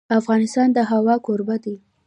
افغانستان د هوا کوربه دی.